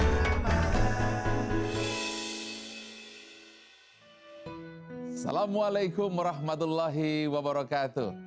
assalamualaikum warahmatullahi wabarakatuh